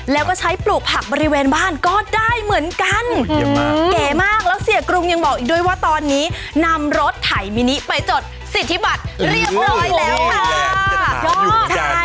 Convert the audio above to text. แล้วก็ใช้ปลูกผักบริเวณบ้านก็ได้เหมือนกันเก๋มากแล้วเสียกรุงยังบอกอีกด้วยว่าตอนนี้นำรถไถมินิไปจดสิทธิบัตรเรียบร้อยแล้วค่ะ